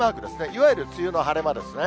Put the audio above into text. いわゆる梅雨の晴れ間ですね。